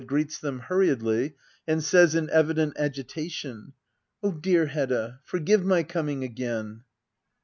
[Greets them hurriedly, and says in evident agita tion,'\ Oh, dear Hedda, forgive my coming again.